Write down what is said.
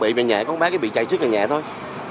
không bị nhẹ có một bác bị chạy sức là nhẹ thôi